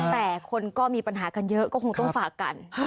แต่คนก็มีปัญหากันเยอะก็คงต้องฝากกัน